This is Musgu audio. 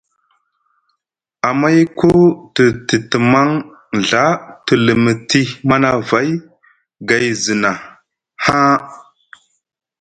Amayku te titimaŋ nɵa te limiti Manavay gay zna haa.